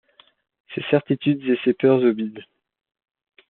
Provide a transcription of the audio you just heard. Ces certitudes et ces peurs au bide.